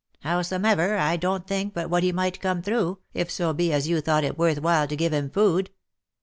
Howsomever I don't think but what he might come through, if so be as you thought it worth while to give him food.